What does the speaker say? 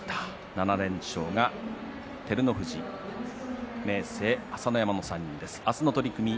７連勝は照ノ富士明生、朝乃山の３人です。